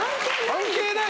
関係ない！？